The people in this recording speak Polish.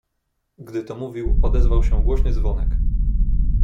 "Gdy to mówił odezwał się głośny dzwonek."